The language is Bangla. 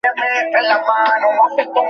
এমন কোন ড্রাগ নেই যা আমি ব্যবহার করিনি।